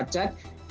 kalau saya cek